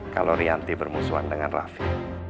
kalau rianti bermusuhan dengan rafi